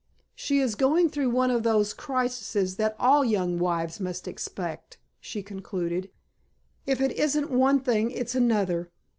"She is going through one of those crises that all young wives must expect," she concluded. "If it isn't one thing it's another.